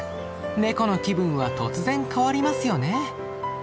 ネコの気分は突然変わりますよね。